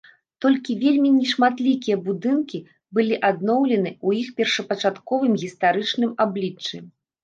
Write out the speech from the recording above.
Толькі вельмі нешматлікія будынкі былі адноўлены ў іх першапачатковым гістарычным абліччы.